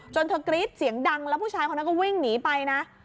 เธอกรี๊ดเสียงดังแล้วผู้ชายคนนั้นก็วิ่งหนีไปนะ